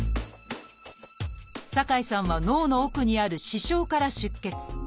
酒井さんは脳の奥にある「視床」から出血。